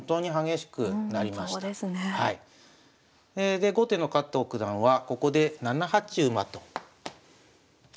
で後手の加藤九段はここで７八馬とやりました。